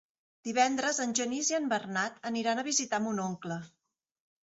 Divendres en Genís i en Bernat aniran a visitar mon oncle.